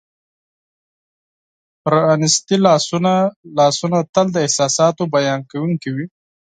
پرانیستي لاسونه : لاسونه تل د احساساتو بیانونکي وي.